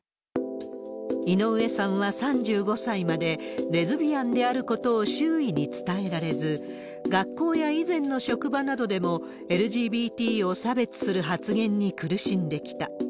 井上さんは、３５歳までレズビアンであることを周囲に伝えられず、学校や以前の職場などでも、ＬＧＢＴを差別する発言に苦しんできた。